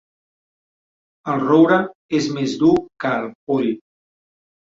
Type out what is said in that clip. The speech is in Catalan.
El roure és més dur que el poll.